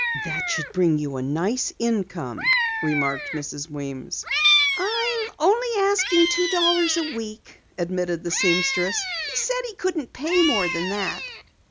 "That should bring you a nice income," remarked Mrs. Weems. "I am asking only two dollars a week," admitted the seamstress. "He said he couldn't pay more than that."